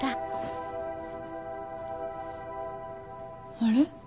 あれ？